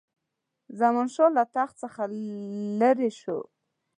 زمانشاه له تخت څخه لیري شو.